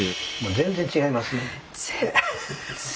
全然違います。